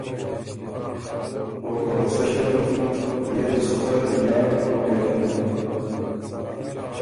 او که غُصۀ ݭیوکم بيې ده سو خه یا ګۀ ټوقئ ځنېن۔